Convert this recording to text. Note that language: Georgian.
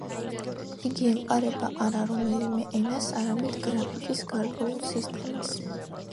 იგი ემყარება არა რომელიმე ენას, არამედ გრაფიკის გარკვეულ სისტემას.